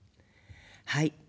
はい。